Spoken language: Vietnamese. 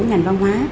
ngành văn hóa